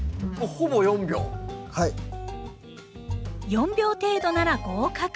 ４秒程度なら合格。